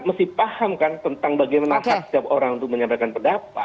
mesti paham kan tentang bagaimana hak setiap orang untuk menyampaikan pendapat